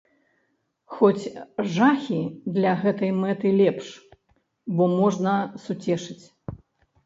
Хоць жахі для гэтай мэты лепш, бо можна суцешыць.